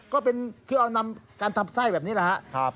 ก็คือเอานำการทำไส้แบบนี้แหละครับ